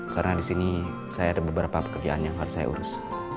karena disini saya ada beberapa pekerjaan yang harus saya urus